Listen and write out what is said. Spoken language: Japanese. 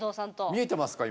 見えてますか？